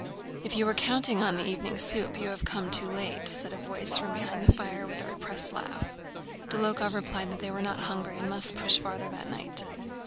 "If you were counting on the evening soup, you have come too late," said a voice from behind the fire with a repressed laugh. Dólokhov replied that they were not hungry and must push on farther that night.